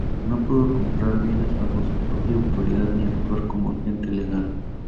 No pudo comprar bienes bajo su propia autoridad ni actuar como agente legal.